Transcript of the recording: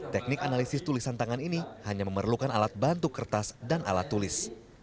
teknik analisis tulisan tangan ini hanya memerlukan alat bantu kertas dan alat tulis